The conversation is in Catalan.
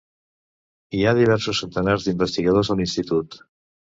Hi ha diversos centenars d'investigadors a l'Institut.